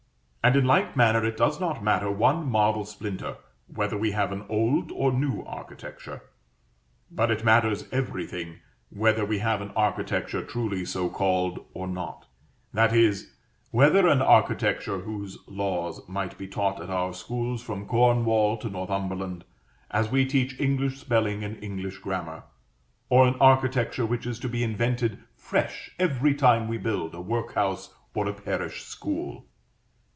And in like manner it does not matter one marble splinter whether we have an old or new architecture, but it matters everything whether we have an architecture truly so called or not; that is, whether an architecture whose laws might be taught at our schools from Cornwall to Northumberland, as we teach English spelling and English grammar, or an architecture which is to be invented fresh every time we build a workhouse or a parish school.